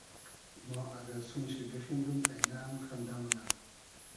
ما اگۂ سون شی بیخیندوم اݷنۂ ام خئندۂ مونۂ